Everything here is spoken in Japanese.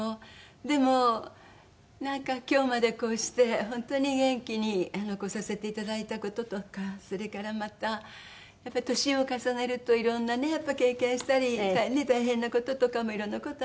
でもなんか今日までこうして本当に元気にこさせていただいた事とかそれからまたやっぱり年を重ねるといろんなねやっぱり経験したり大変な事とかもいろんな事あって。